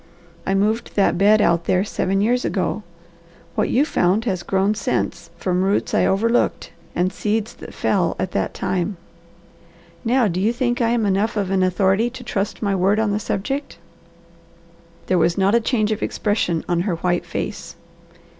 I moved that bed out there seven years ago. What you found has grown since from roots I overlooked and seeds that fell at that time. Now do you think I am enough of an authority to trust my word on the subject?" There was not a change of expression on her white face.